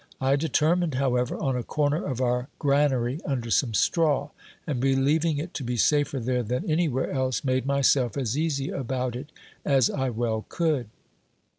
I determined, however, on a corner of our granary under some straw ; and believing it to be safer there than anywhere else, made myself as easy about it as I well could.